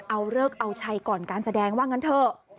เอาเลิกเอาชัยก่อนการแสดงว่างั้นเถอะ